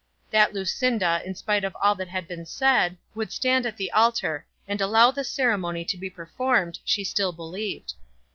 That Lucinda, in spite of all that had been said, would stand at the altar, and allow the ceremony to be performed, she still believed.